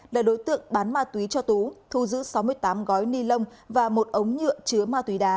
là đối tượng bán ma túy cho tú thu giữ sáu mươi tám gói ni lông và một ống nhựa chứa ma túy đá